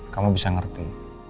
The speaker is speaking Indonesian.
kamu bisa ngerti